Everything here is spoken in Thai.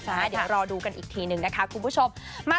เดี๋ยวรอดูกันอีกทีนึงนะคะคุณผู้ชม